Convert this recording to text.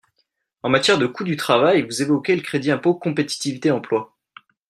En matière de coût du travail, vous évoquez le crédit d’impôt compétitivité emploi.